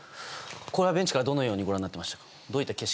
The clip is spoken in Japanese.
これはベンチからどのようにご覧になっていましたか？